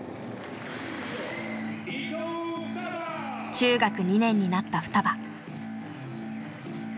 中学２年になったふたば。